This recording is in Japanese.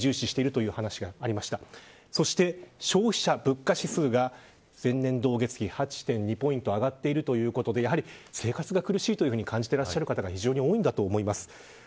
消費者物価指数が前年同月比８．５ポイント上がっているということで生活が苦しいと感じている方が多いのだと思います。